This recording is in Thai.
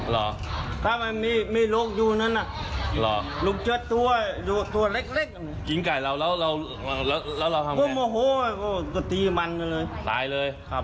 แล้วแม้นะมรู้สึกไงที่จะกินมันเนี่ย